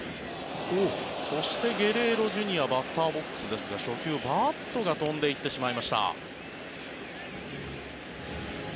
そして、ゲレーロＪｒ．バッターボックスですが初球、バットが飛んでいってしまいました。